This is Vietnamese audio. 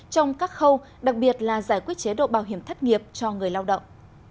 trong các khâu đặc biệt là giải quyết chế độ bảo hiểm thất nghiệp cho người lao động